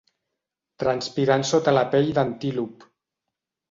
Transpirant sota la pell d'antilop.